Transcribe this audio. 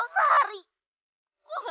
aku mau pergi kemana mana